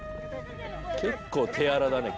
結構手荒だね。